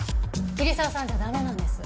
桐沢さんじゃ駄目なんです。